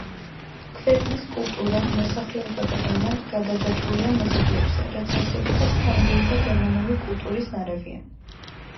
ქვეყნის კულტურა, მოსახლეობა და ენა, გადაჯაჭვულია მეზობლებზე, რაც არსებითად ფრანგული და გერმანული კულტურის ნარევია.